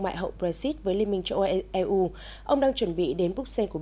mại hậu brexit với liên minh châu âu eu ông đang chuẩn bị đến buộc xe của